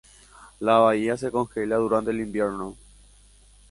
La bahía se congela durante el invierno.